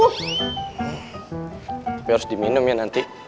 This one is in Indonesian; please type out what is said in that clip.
tapi harus diminum ya nanti